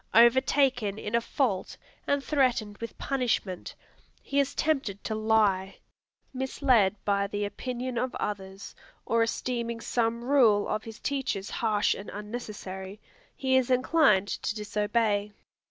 Overtaken in a fault and threatened with punishment, he is tempted to lie. Misled by the opinion of others, or esteeming some rule of his teachers harsh and unnecessary, he is inclined to disobey.